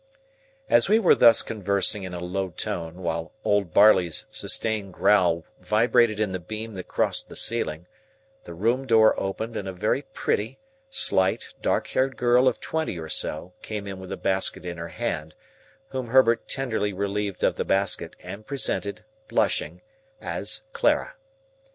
As we were thus conversing in a low tone while Old Barley's sustained growl vibrated in the beam that crossed the ceiling, the room door opened, and a very pretty, slight, dark eyed girl of twenty or so came in with a basket in her hand: whom Herbert tenderly relieved of the basket, and presented, blushing, as "Clara."